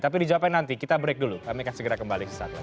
tapi dijawabkan nanti kita break dulu kami akan segera kembali ke saat lain